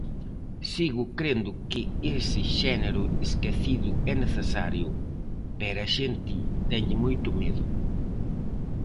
Sigo crendo que ese xénero esquecido é necesario, pero a xente tenlle moito medo.